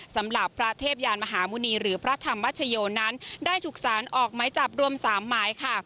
สำหรับพระเทพยานมหาหมุณีหรือพระธรรมชโยนั้นได้ถูกสารออกไม้จับรวม๓หมายค่ะ